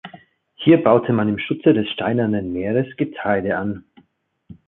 Hier baute man im Schutze des Steinernen Meeres Getreide an.